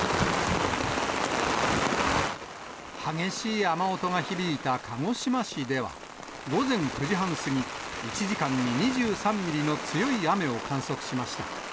激しい雨音が響いた鹿児島市では、午前９時半過ぎ、１時間に２３ミリの強い雨を観測しました。